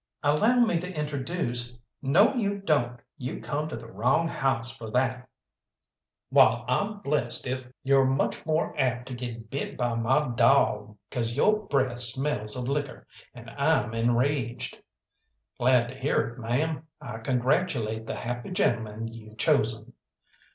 "Allow me to introduce " "No you don't. You come to the wrong house for that." "Wall, I'm blessed if " "Yo're much more apt to get bit by my dawg, 'cause yo' breath smells of liquor, and I'm engaged." "Glad to hear it, ma'am. I congratulate the happy gentleman you've chosen."